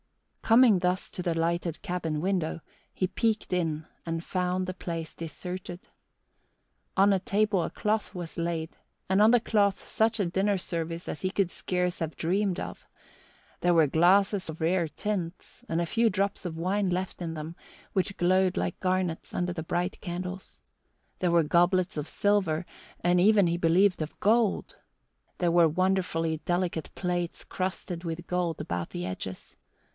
Coming thus to the lighted cabin window, he peeked in and found the place deserted. On the table a cloth was laid, and on the cloth such a dinner service as he could scarce have dreamed of. There were glasses of rare tints, with a few drops of wine left in them, which glowed like garnets under the bright candles. There were goblets of silver, and even, he believed, of gold. There were wonderfully delicate plates crusted with gold about the edges.